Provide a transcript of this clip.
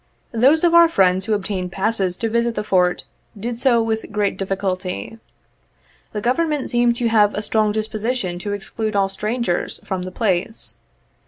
Those of our friends who obtained passes to visit the Fort, did so with great difficulty. The government seemed to have a strong disposition to exclude all strangers from the place.